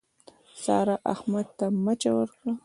سارا، احمد ته مچه ورکړه.